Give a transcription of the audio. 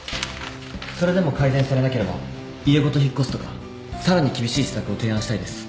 それでも改善されなければ家ごと引っ越すとかさらに厳しい施策を提案したいです。